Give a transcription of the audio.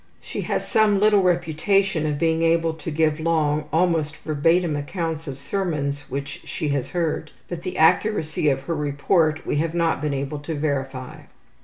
She has some little reputation of being able to give long, almost verbatim accounts of sermons which she has heard, but the accuracy of her report we have not been able to verify.